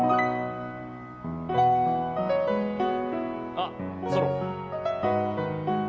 あっソロ。